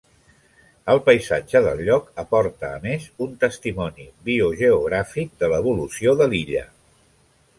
El paisatge del lloc aporta a més un testimoni biogeogràfic de l'evolució de l'illa.